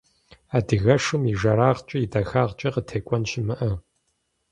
Адыгэшым и жэрагъкӏи и дахагъкӏи къытекӏуэн щымыӏэ!